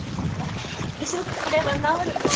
移植すれば治るの。